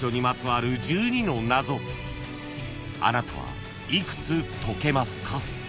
［あなたはいくつ解けますか？］